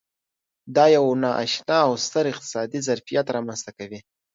دا یو نا اشنا او ستر اقتصادي ظرفیت رامنځته کوي.